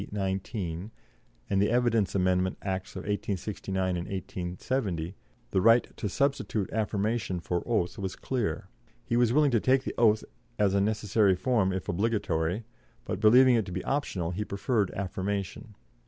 19, and the Evidence Amendment Acts 1869 and 1870, the right to substitute affirmation for oath was clear; he was willing to take the oath as a necessary form if obligatory, but, believing it to be optional, he preferred affirmation.